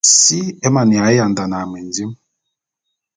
Si é mane yandane a mendim.